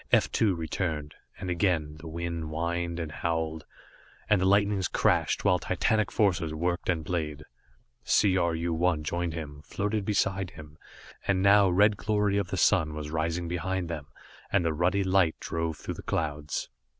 F 2 returned, and again, the wind whined and howled, and the lightnings crashed, while titanic forces worked and played. C R U 1 joined him, floated beside him, and now red glory of the sun was rising behind them, and the ruddy light drove through the clouds.